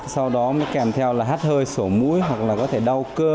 sau đó mới kèm theo là hát hơi sổ mũi hoặc là có thể đau cơ